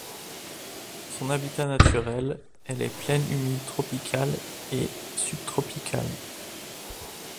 Son habitat naturel est les plaines humides tropicales et subtropicales.